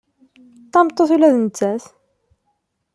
D tameṭṭut ula d nettat.